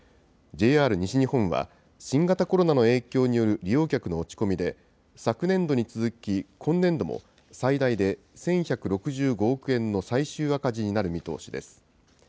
ＪＲ西日本は、新型コロナの影響による利用客の落ち込みで、昨年度に続き、今年度も最大で１１６５億円の最終赤字になる見通しです。